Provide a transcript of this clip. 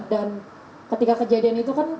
dan ketika kejadian itu kan